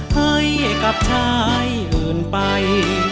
ให้กับชายอื่นไป